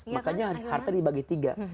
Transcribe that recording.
makanya harta dibagi tiga